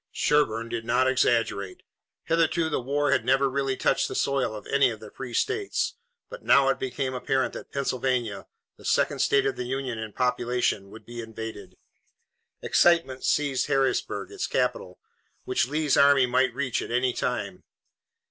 Sherburne did not exaggerate. Hitherto the war had never really touched the soil of any of the free states, but now it became apparent that Pennsylvania, the second state of the Union in population, would be invaded. Excitement seized Harrisburg, its capital, which Lee's army might reach at any time.